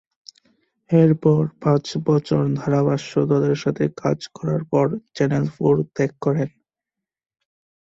এরপর পাঁচ বছর ধারাভাষ্য দলের সাথে কাজ করার পর চ্যানেল ফোর ত্যাগ করেন।